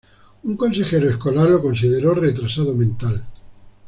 Un consejero escolar lo consideró retrasado mental.